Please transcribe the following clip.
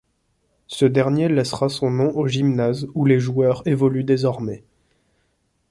Ce-dernier laissera son nom au gymnase où les joueurs évoluent désormais.